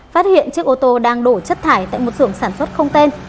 phát hiện chiếc ô tô đang đổ chất thải tại một sưởng sản xuất không tên